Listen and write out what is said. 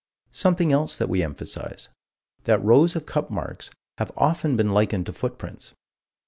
Something else that we emphasize: That rows of cup marks have often been likened to footprints.